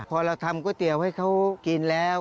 พอเราทำก๋วยเตี๋ยวให้เขากินแล้ว